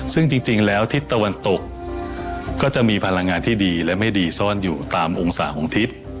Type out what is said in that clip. ซึ่งจริงแล้วทิศตะวันตกก็จะมีพลังงานที่ดีและไม่ดีซ่อนอยู่ตามองศาของทิศ